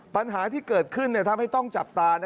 ปัญหาที่เกิดขึ้นทำให้ต้องจับตา